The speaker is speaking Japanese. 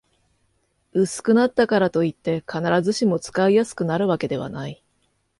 薄くなったからといって、必ずしも使いやすくなるわけではない